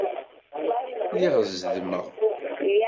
Lliɣ ẓeddmeɣ.